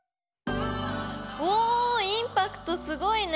おおインパクトすごいね！